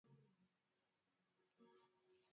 Asilimia kubwa ya wanyama walioambukizwa ugonjwa watakufa